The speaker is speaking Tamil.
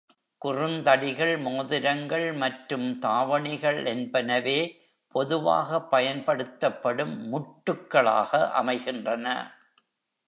குறுந் தடிகள், மோதிரங்கள் மற்றும் தாவணிகள் என்பனவே பொதுவாக பயன்படுத்தப்படும் முட்டுக்களாக அமைகின்றன.